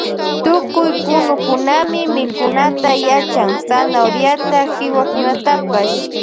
Tukuy kunukunami mikunata yachan zanahoriata y hiwakunatapash.